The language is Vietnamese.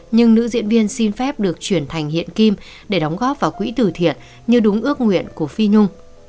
nhưng nữ diễn viên xin phép được chuyển thành hiện kim để đóng góp vào quỹ tử thiện như đúng ước nguyện của phi nhung